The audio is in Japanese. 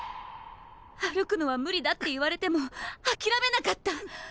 歩くのは無理だって言われても諦めなかった。